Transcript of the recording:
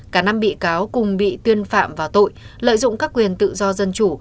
cả năm bị cáo cùng bị tuyên phạm vào tội lợi dụng các quyền tự do dân chủ